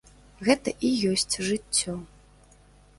Гэта і ёсць жыццё.